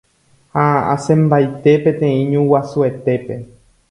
ha asẽmbaite peteĩ ñuguasuetépe